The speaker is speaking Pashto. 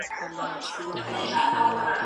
ايا ته کتاب لولې،